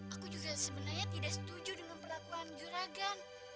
aku juga sebenarnya tidak setuju dengan perlakuan juragan